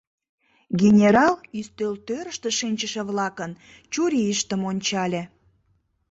Генерал ӱстелтӧрыштӧ шинчыше-влакын чурийыштым ончале.